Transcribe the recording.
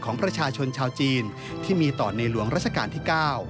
ของประชาชนชาวจีนที่มีต่อในหลวงราชการที่๙